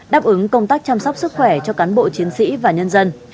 đáp ứng công tác chăm sóc sức khỏe cho cán bộ chiến sĩ và nhân dân